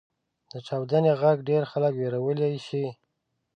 • د چاودنې ږغ ډېری خلک وېرولی شي.